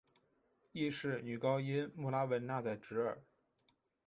亦是女高音穆拉汶娜的侄儿。